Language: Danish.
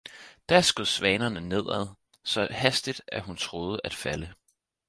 Da skød svanerne nedad, så hastigt at hun troede at falde